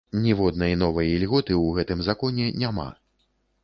Ніводнай новай ільготы ў гэтым законе няма.